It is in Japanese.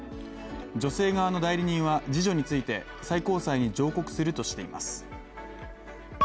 女性側の代理人は次女について最高裁に上告するとしています。